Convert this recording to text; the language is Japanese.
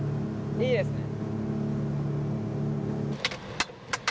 いいですね。